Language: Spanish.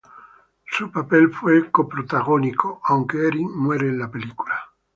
Su papel fue Co-Protagónico, aunque Erin muere en la película.